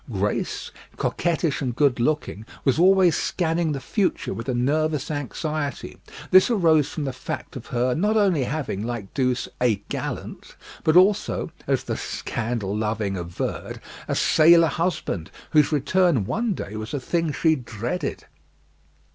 Grace, coquettish and good looking, was always scanning the future with a nervous anxiety. This arose from the fact of her not only having, like Douce, "a gallant," but also, as the scandal loving averred, a sailor husband, whose return one day was a thing she dreaded.